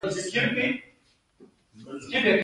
ایا زه باید ګټونکی شم؟